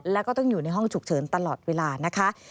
แล้วก็ต้องอยู่ในห้องฉุกเฉินตลอดเวลานะคะ